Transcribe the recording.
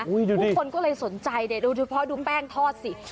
ผู้คนก็เลยสนใจเนี่ยโดยเฉพาะดูแป้งทอดสิ